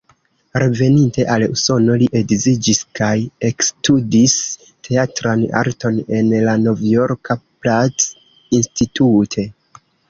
Reveninte al Usono li edziĝis kaj ekstudis teatran arton en la Novjorka "Pratt Institute".